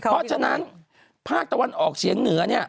เพราะฉะนั้นภาคตะวันออกเฉียงเหนือเนี่ย